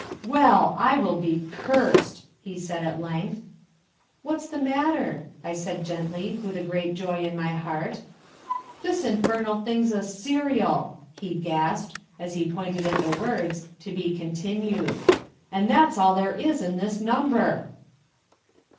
"Well, I will be cursed!" he said at length. "What's the matter?" I said gently, with a great joy at my heart. "This infernal thing's a serial," he gasped, as he pointed at the words, "To be continued," "and that's all there is in this number."